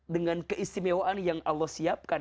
dengan keistimewaan yang allah siapkan